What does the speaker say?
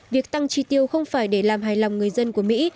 việc tăng chi tiêu không phải để làm hài lòng người dân của mỹ